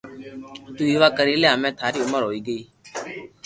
تو ويوا ڪري لي ھمي ٿاري عمر ھوئئي گئي